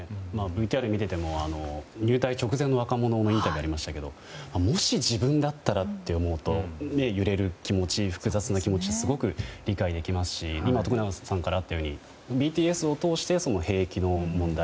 ＶＴＲを見てても入隊直前の若者のインタビューがありましたけどもし、自分だったらと思うと揺れる気持ち、複雑な気持ちすごく理解できますし今、徳永さんからあったようにＢＴＳを通してその兵役の問題